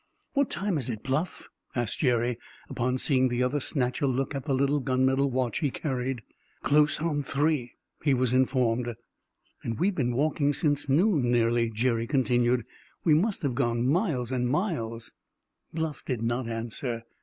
"What time is it, Bluff?" asked Jerry, upon seeing the other snatch a look at the little gun metal watch he carried. "Close on three," he was informed. "And we've been walking since noon, nearly," Jerry continued. "We must have gone miles and miles." Bluff did not answer.